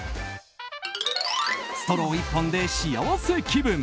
ストロー１本で幸せ気分！